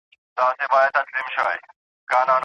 آیا په نسب کي ګډوډي نظام کمزوری کوي؟